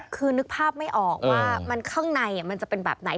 คือนึกภาพไม่ออกว่ามันข้างในมันจะเป็นแบบไหน